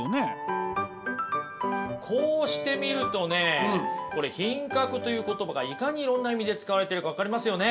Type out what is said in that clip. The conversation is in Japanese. こうしてみるとねこれ品格という言葉がいかにいろんな意味で使われてるか分かりますよね。